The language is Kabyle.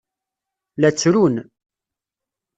La ttrun.